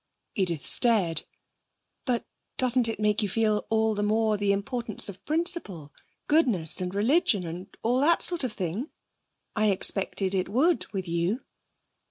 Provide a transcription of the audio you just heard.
Edith stared. 'But ... doesn't it make you feel all the more the importance of principle goodness and religion, and all that sort of thing? I expected it would, with you.'